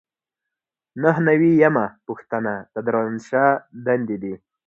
نهه نوي یمه پوښتنه د دارالانشا دندې دي.